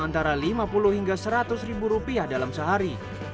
antara lima puluh hingga seratus ribu rupiah dalam sehari